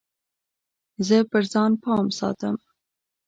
زه پر ځان پام ساتم.